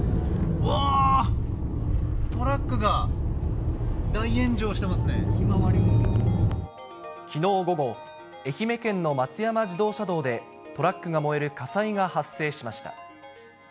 うわー、きのう午後、愛媛県の松山自動車道で、トラックが燃える火災が発生しました。